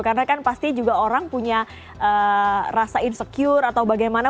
karena kan pasti juga orang punya rasa insecure atau bagaimana